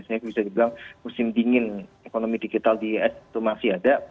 sehingga bisa dibilang musim dingin ekonomi digital di is itu masih ada